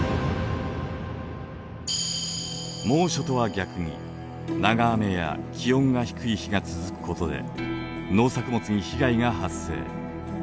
猛暑とは逆に長雨や気温が低い日が続くことで農作物に被害が発生。